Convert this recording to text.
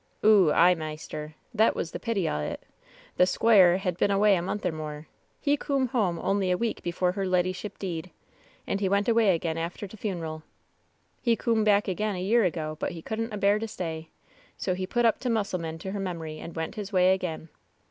"Go, ay, maister, thet was the pity o' 't. The squoire hed been away a month or more. He coom home only a week before her leddyship deed. And he went away again after t' funeral. He coom back again a year ago, but he couldn't abear to stay. So he put up t' mussel man to her memory and went his way again.